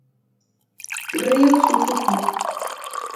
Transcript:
Rio Suzuki